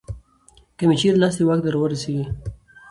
که مې چېرې لاس د واک درورسېږي